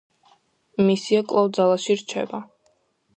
მისია კვლავ ძალაში რჩება.